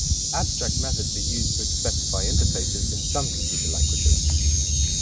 Abstract methods are used to specify interfaces in some computer languages.